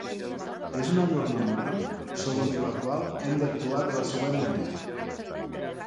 És una norma moral segons la qual hem d'actuar de la següent manera: